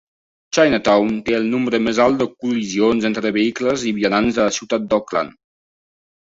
Chinatown té el nombre més alt de col·lisions entre vehicles i vianants de la ciutat d'Oakland.